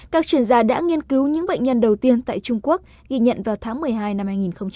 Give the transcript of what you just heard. các chuyên gia đã nghiên cứu những bệnh nhân đầu tiên tại trung quốc ghi nhận vào tháng một mươi hai năm hai nghìn một mươi chín